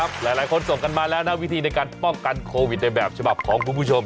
เนี่ยหลายคนส่งกันมาแล้ววิธีในการป้องกันโควิดของผู้ผู้ชม